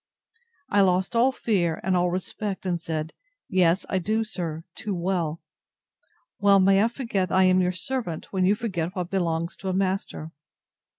I lost all fear, and all respect, and said, Yes, I do, sir, too well!—Well may I forget that I am your servant, when you forget what belongs to a master.